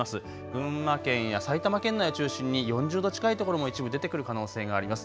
群馬県や埼玉県内中心に４０度近い所も一部出てくる可能性があります。